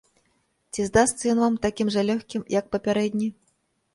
Ці здасца ён вам такім жа лёгкім, як папярэдні?